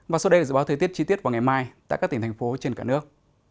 và sau đây là dự báo thời tiết chi tiết vào ngày mai tại các tỉnh thành phố trên cả nước